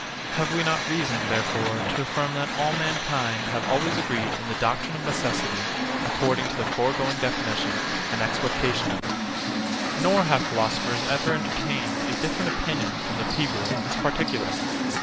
Have we not reason, therefore, to affirm that all mankind have always agreed in the doctrine of necessity according to the foregoing definition and explication of it? 70. Nor have philosophers ever entertained a different opinion from the people in this particular.